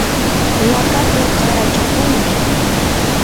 laqatu qarachakunmi.